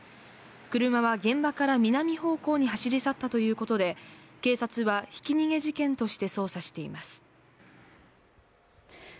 車は現場から南方向に走り去ったということで警察はひき逃げ事件として捜査しています